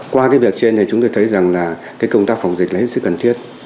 qua cái việc trên thì chúng tôi thấy rằng là cái công tác phòng dịch là hết sức cần thiết